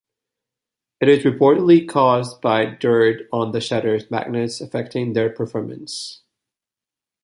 It is reportedly caused by dirt on the shutter's magnets affecting their performance.